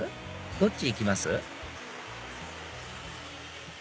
どっち行きます？